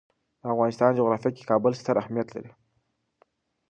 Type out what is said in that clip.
د افغانستان جغرافیه کې کابل ستر اهمیت لري.